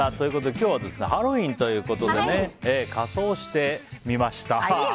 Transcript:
今日はハロウィーンということで仮装をしてみました。